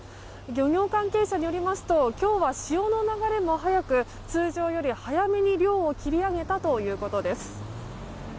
漁業関係者によりますと今日は潮の流れも早く通常より早めに漁を切り上げたということです。